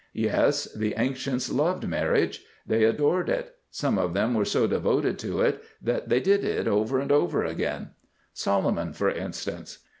Yes, the ancients loved marriage. They adored it! Some of them were so devoted to it that they did it over and over again, Solomon for instance.